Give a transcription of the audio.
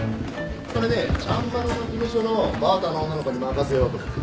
それねちゃんまりの事務所のバーターの女の子に任せようと思って。